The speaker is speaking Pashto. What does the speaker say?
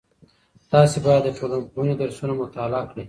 تاسې باید د ټولنپوهنې درسونه مطالعه کړئ.